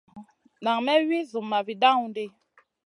Nan may wi Zumma vi dawn ɗi.